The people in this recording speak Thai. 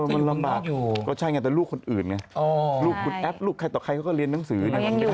มันลำบากก็ใช่ไงแต่ลูกคนอื่นไงลูกคุณแอปลูกใครต่อใครเขาก็เรียนหนังสือ